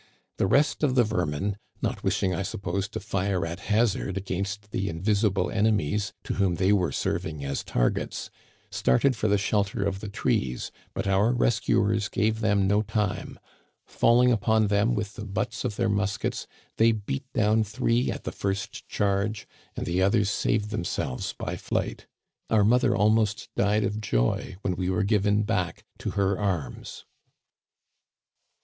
The rest of the vermin, not wishing, I suppose, to fire at hazard against the invisible enemies to whom they were serving as tar gets, started for the shelter of the trees ; but our rescuers gave them no time. Falling upon them with the butts of their muskets, they beat down three at the first charge, and the others saved themselves by flight. Our mother almost died of joy when we were given back to her arms."